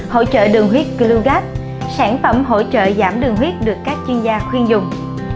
hỗ trợ đường huyết glugas sản phẩm hỗ trợ giảm đường huyết được các chuyên gia khuyên dùng